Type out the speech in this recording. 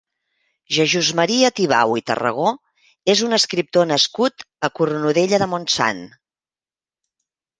Jesús Maria Tibau i Tarragó és un escriptor nascut a Cornudella de Montsant.